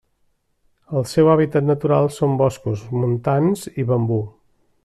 El seu hàbitat natural són boscos montans i bambú.